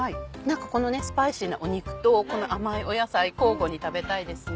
このスパイシーな肉とこの甘い野菜交互に食べたいですね。